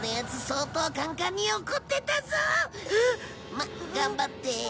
まあ頑張って。